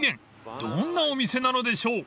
［どんなお店なのでしょう？］